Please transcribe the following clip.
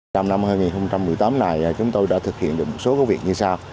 trong năm hai nghìn một mươi tám này chúng tôi đã thực hiện được một số việc như sau